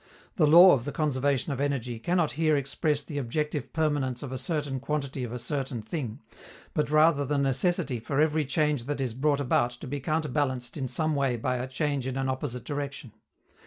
The law of the conservation of energy cannot here express the objective permanence of a certain quantity of a certain thing, but rather the necessity for every change that is brought about to be counterbalanced in some way by a change in an opposite direction.